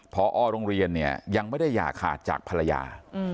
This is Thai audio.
พอโรงเรียนเนี่ยยังไม่ได้อย่าขาดจากภรรยา